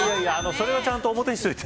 それはちゃんと表にしておいて。